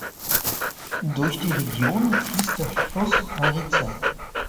Durch die Region fließt der Fluss Mariza.